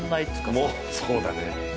もうそうだね。